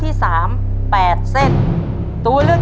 ต้นไม้ประจำจังหวัดระยองการครับ